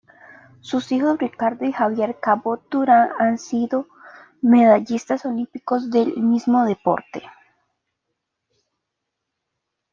Sus hijos Ricardo y Javier Cabot Duran han sido medallistas olímpicos del mismo deporte.